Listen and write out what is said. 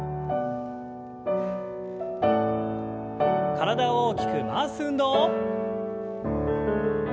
体を大きく回す運動。